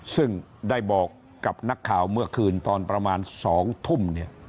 ซึ่งได้บอกกับนักข่าวเมื่อคืนตอนประมาณ๒ทุ่ม